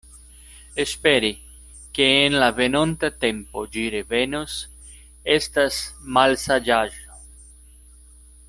Esperi, ke en la venonta tempo ĝi revenos, estas malsaĝaĵo.